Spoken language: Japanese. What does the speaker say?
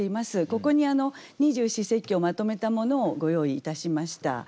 ここに二十四節気をまとめたものをご用意いたしました。